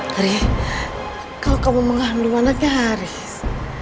riri kalau kamu mengandung anaknya haris